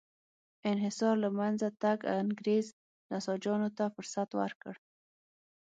انحصار له منځه تګ انګرېز نساجانو ته فرصت ورکړ.